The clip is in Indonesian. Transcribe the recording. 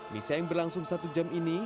misa yang berlangsung satu jam ini